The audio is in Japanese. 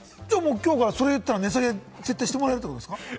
きょうから、その言葉を言ったら値下げしてくれるってことですか？